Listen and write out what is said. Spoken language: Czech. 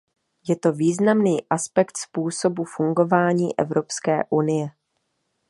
Je to významný aspekt způsobu fungování Evropské unie.